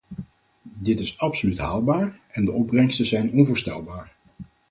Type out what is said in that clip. Dit is absoluut haalbaar en de opbrengsten zijn onvoorstelbaar.